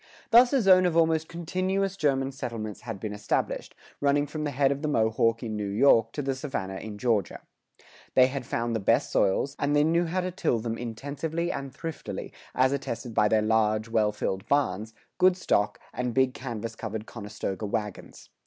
Thus a zone of almost continuous German settlements had been established, running from the head of the Mohawk in New York to the Savannah in Georgia. They had found the best soils, and they knew how to till them intensively and thriftily, as attested by their large, well filled barns, good stock, and big canvas covered Conestoga wagons.